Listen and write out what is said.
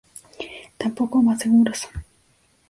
Tampoco más seguros.